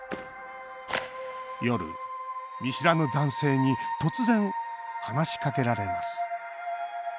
夜、見知らぬ男性に突然、話しかけられます